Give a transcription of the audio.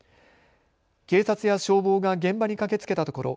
警察や消防が現場に駆けつけたところ